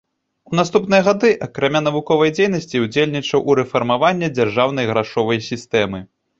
У наступныя гады, акрамя навуковай дзейнасці ўдзельнічаў у рэфармаванні дзяржаўнай грашовай сістэмы.